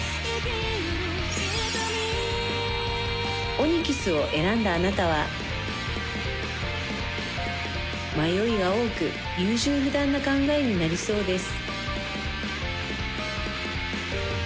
オニキスを選んだあなたは迷いが多く優柔不断な考えになりそうです